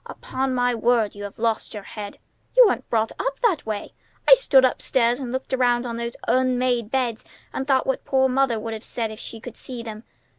Upon my word, you have lost your head! You weren't brought up that way. I stood up stairs and looked around on those unmade beds, and thought what poor mother would have said if she could see them.